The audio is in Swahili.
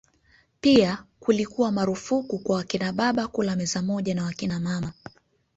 Pia kulikuwa marufuku kwa wakinababa kula meza moja na wakinamama